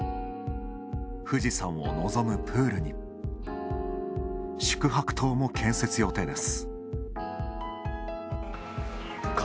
富士山を臨むプールに宿泊棟も建設予定です。